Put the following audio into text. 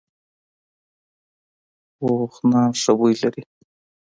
پوخ نان ښه بوی لري